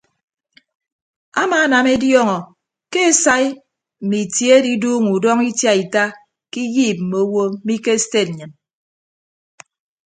Amaanam ediọọñọ ke esai mme itie adiduuñọ udọñọ itiaita ke iyiip mme owo mi ke sted nnyịn.